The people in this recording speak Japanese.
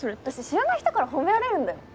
知らない人から褒められるんだよ？